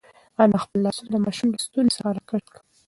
انا خپل لاسونه د ماشوم له ستوني څخه راکش کړل.